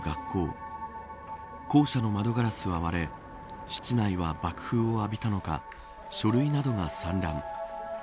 校舎の窓ガラスが割れ室内は爆風を浴びたのか書類などが散乱。